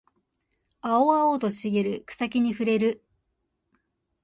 青々と茂る草木に触れる